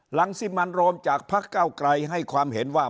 สิมันโรมจากพักเก้าไกลให้ความเห็นว่า